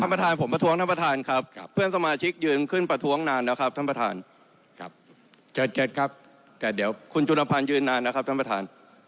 ท่านประธานผมประท้วงท่านประธานครับเพื่อนสมาชิกยืนขึ้นประท้วงนานนะครับท่านประธาน